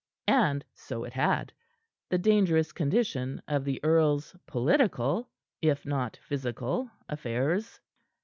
And so it had the dangerous condition of the earl's political, if not physical, affairs.